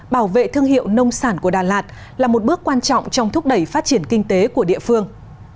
bảo vệ thương hiệu nông sản của đà lạt là một bước quan trọng trong thúc đẩy phát triển kinh tế của địa phương